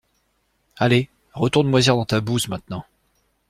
Allez, retourne moisir dans ta bouse maintenant.